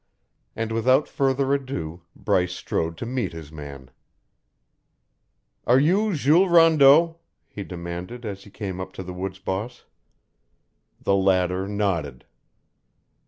And without further ado, Bryce strode to meet his man. "Are you Jules Rondeau?" he demanded as he came up to the woods boss. The latter nodded.